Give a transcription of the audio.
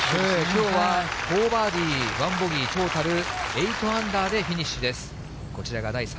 きょうは４バーディー１ボギー、トータル８アンダーでフィニッシュです。